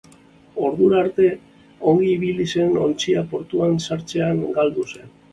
Ordura arte ongi ibili zen ontzia portuan sartzean galdu zen.